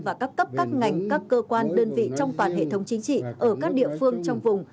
và các cấp các ngành các cơ quan đơn vị trong toàn hệ thống chính trị ở các địa phương trong vùng